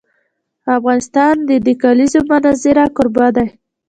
افغانستان د د کلیزو منظره کوربه دی.